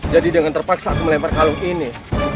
jadi dengan terpaksa aku melempar kalung ini